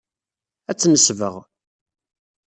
Ad tt-nesbeɣ.